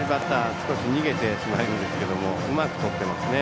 少し逃げてしまうんですけどうまくとってますね。